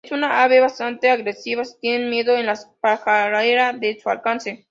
Es un ave bastante agresiva si tiene nidos en la pajarera a su alcance.